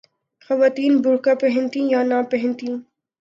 خواتین برقعہ پہنتیں یا نہ پہنتیں۔